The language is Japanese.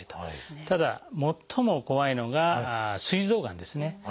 ただ最も怖いのがすい臓がんですね。